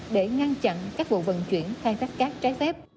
để ngăn chặn các vụ vận chuyển khai thác cát trái phép